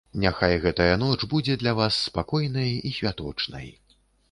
Няхай гэтая ноч будзе для вас спакойнай і святочнай.